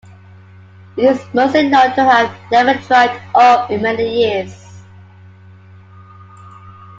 It is mostly known to have never dried up in many years.